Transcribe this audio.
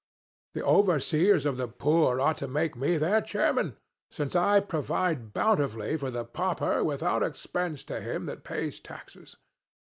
The overseers of the poor ought to make me their chairman, since I provide bountifully for the pauper without expense to him that pays taxes.